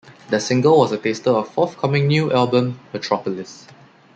The single was a taster of forthcoming new album, "Metropolis".